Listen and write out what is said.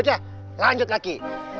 udah lanjut lagi